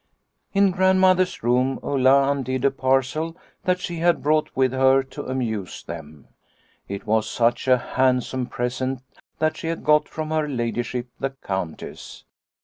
" In Grandmother's room Ulla undid a parcel that she had brought with her to amuse them. It was such a handsome present that she had got from her ladyship the Countess.